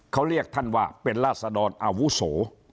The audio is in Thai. เขาเรียกท่านว่าเป็นราศดรอาวุโส